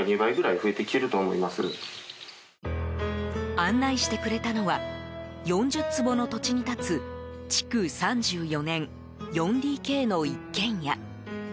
案内してくれたのは４０坪の土地に立つ築３４年、４ＤＫの一軒家。